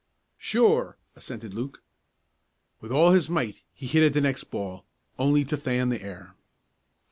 "Sure!" assented Luke. With all his might he hit at the next ball, only to fan the air.